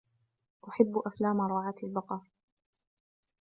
أحب أفلام رعاة البقر